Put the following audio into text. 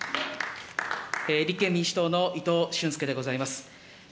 立憲民主党の伊藤俊輔でございます。